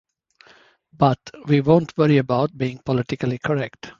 But we won't worry about being politically correct.